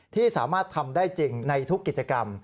ที่สามารถทำได้จริงในทุกกิจกรรม